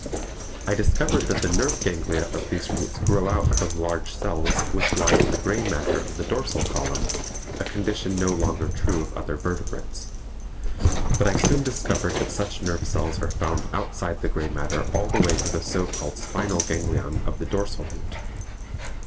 I discovered that the nerve ganglia of these roots grow out from large cells which lie in the grey matter of the dorsal column, a condition no longer true of other vertebrates. But I soon discovered that such nerve cells are found outside the grey matter all the way to the so called spinal ganglion of the dorsal root.